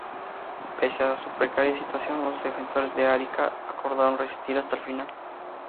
Pese a su precaria situación, los defensores de Arica acordaron resistir hasta el final.